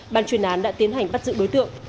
bàn chuyển án đã tiến hành bắt giữ đối tượng